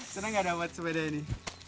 senang gak dapat sepeda ini